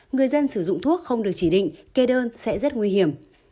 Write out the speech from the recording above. người dân sử dụng thuốc không được chỉ định kê đơn sẽ rất nguy hiểm